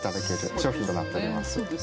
商品となっております。